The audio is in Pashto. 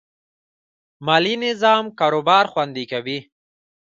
مالي نظم کاروبار خوندي کوي.